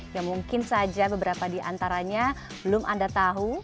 yang mungkin saja beberapa di antaranya belum anda tahu